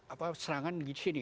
apa serangan disini